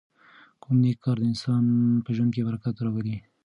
کوم نېک کار د انسان په ژوند کې برکت راولي؟